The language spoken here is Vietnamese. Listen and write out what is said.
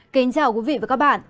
kính chào quý vị và các bạn